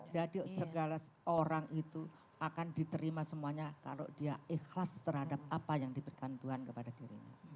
jadi segala orang itu akan diterima semuanya kalau dia ikhlas terhadap apa yang diberikan tuhan kepada dirinya